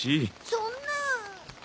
そんなあ。